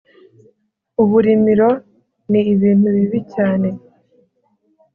uburimiro ni ibintu bibi cyane